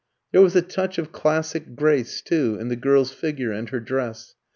There was a touch of classic grace, too, in the girl's figure and her dress.